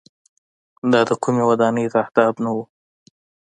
دا د کومۍ ودانۍ تهداب نه و.